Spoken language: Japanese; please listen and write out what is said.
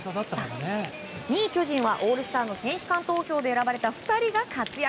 ２位、巨人はオールスターの選手間投票で選ばれた２人が活躍。